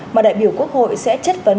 mà đại biểu quốc hội sẽ chất vấn